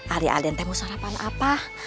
alia alian temu sarapan apa